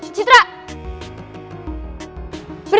aku mau blah blah